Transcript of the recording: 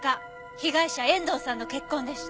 被害者遠藤さんの血痕でした。